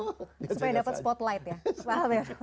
supaya dapat spotlight ya